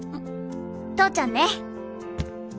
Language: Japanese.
投ちゃんね。